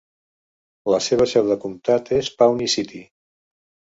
La seva seu de comtat és Pawnee City.